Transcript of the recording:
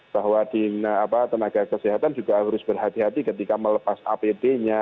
bahwa tenaga kesehatan juga harus berhati hati ketika melepas apd nya